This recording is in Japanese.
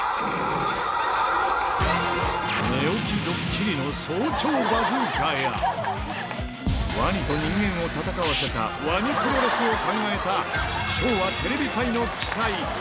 寝起きドッキリの早朝バズーカや、ワニと人間を戦わせたワニプロレスを考えた、昭和テレビ界の鬼才。